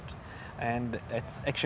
dan itu sebenarnya